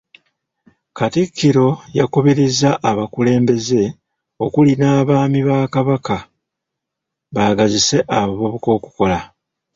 Katikkiro yakubirizza abakulembeze okuli n’Abaami ba Kabaka baagazise abavubuka okukola.